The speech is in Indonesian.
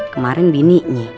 kemarin di sini